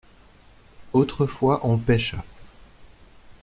Autrefois on pêcha.